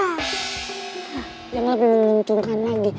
nah yang lebih menguntungkan lagi